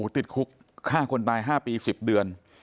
ติดคุกฆ่าคนตาย๕ปี๑๐เดือน